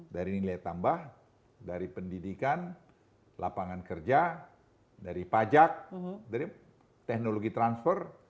dari nilai tambah dari pendidikan lapangan kerja dari pajak dari teknologi transfer